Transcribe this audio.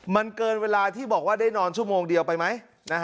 มันเกินเวลาที่บอกว่าได้นอนชั่วโมงเดียวไปไหม